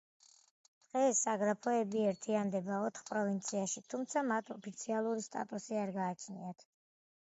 დღეს საგრაფოები ერთიანდება ოთხ პროვინციაში, თუმცა მათ ოფიციალური სტატუსი არ გააჩნიათ.